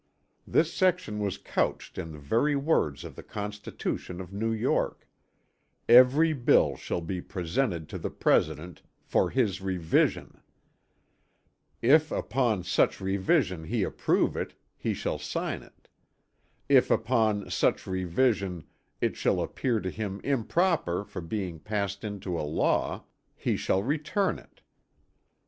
This section was couched in the very words of the constitution of New York: Every bill shall be presented to the President 'for his revision'; 'if upon such revision' he approve it, he shall sign it; 'if upon such revision it shall appear to him improper for being passed into a law,' he shall return it.